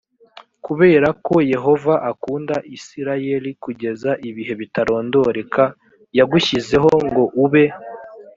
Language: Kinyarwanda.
kubera ko yehova akunda isirayeli kugeza ibihe bitarondoreka yagushyizeho ngo ube